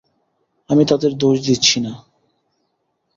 আমি তাদের দোষ দিচ্ছি না।